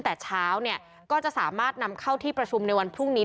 แต่เช้าเนี่ยก็จะสามารถนำเข้าที่ประชุมในวันพรุ่งนี้